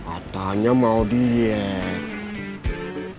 katanya mau diet